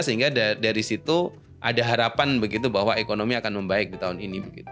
sehingga dari situ ada harapan begitu bahwa ekonomi akan membaik di tahun ini